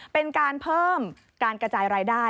เป็นการเพิ่มการกระจายรายได้